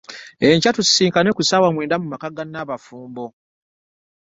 Enkya tudisinkana ku ssaawa mwenda mu maka ga Nnaabafumbo